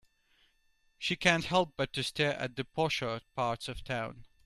She can't help but to stare at the posher parts of town.